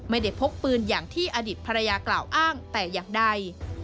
พกปืนอย่างที่อดีตภรรยากล่าวอ้างแต่อย่างใด